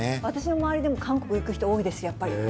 私の周りでも韓国人多いです、